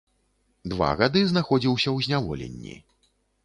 Два гады знаходзіўся ў зняволенні.